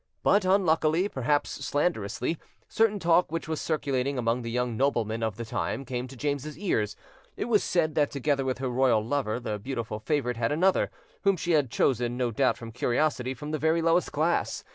But, unluckily, perhaps slanderously, certain talk which was circulating among the young noblemen of the time came to James's ears; it was said that together with her royal lover the beautiful favourite had another, whom she had chosen, no doubt from curiosity, from the very lowest class.